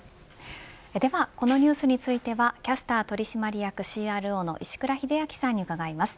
ではこのニュースについてはキャスター取締役ＣＲＯの石倉秀明さんに伺います。